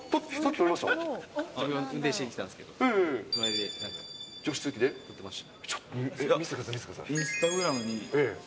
運転してきたんですけど、隣で撮ってました。